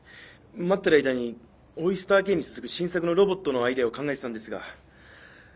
待ってる間にオイスターＫに続く新作のロボットのアイデアを考えてたんですが。